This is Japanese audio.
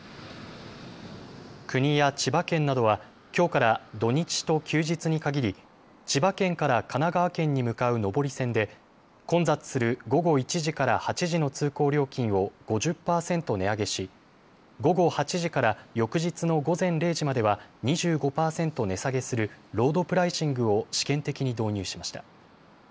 国や千葉県などはきょうから土日と休日に限り千葉県から神奈川県に向かう上り線で混雑する午後１時から８時の通行料金を５０％値上げし午後８時から翌日の午前０時までは２５％値下げするロードプライシングを試験的に導入しました。